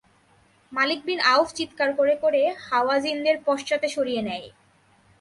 মালিক bin Awf চিৎকার করে করে হাওয়াযিনদের পশ্চাতে সরিয়ে নেয়।